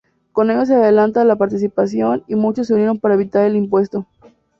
Con ello se alentaba la participación, y muchos se unieron para evitar el impuesto.